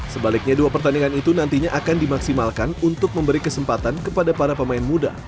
sebaliknya dua pertandingan itu nantinya akan dimaksimalkan untuk memberi kesempatan kepada para pemain muda